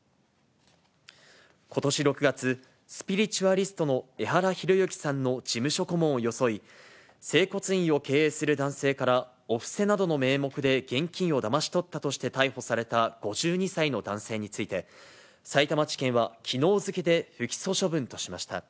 ことし６月、スピリチュアリストの江原啓之さんの事務所顧問を装い、整骨院を経営する男性からお布施などの名目で現金をだまし取ったとして逮捕された５２歳の男性について、さいたま地検はきのう付けで不起訴処分としました。